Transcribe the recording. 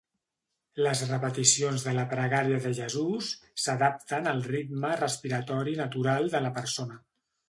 Les repeticions de la pregària de Jesús s'adapten al ritme respiratori natural de la persona.